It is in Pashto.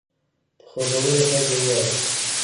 په خوبولي غږ يې وويل؛